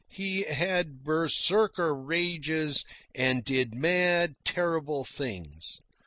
He had Berserker rages and did mad, terrible things.